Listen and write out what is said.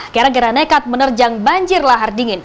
kira kira nekat menerjang banjir lahar dingin